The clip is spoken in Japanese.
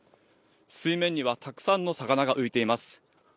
水面にはたくさんの魚が浮いています。